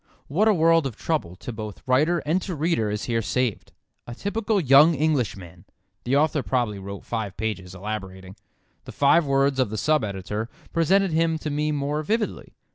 What a world of trouble to both writer and to reader is here saved. "A typical young Englishman!" The author probably wrote five pages, elaborating. The five words of the sub editor present him to me more vividly.